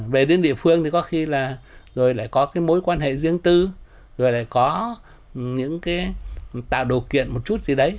về đến địa phương thì có khi là rồi lại có cái mối quan hệ riêng tư rồi lại có những cái tạo điều kiện một chút gì đấy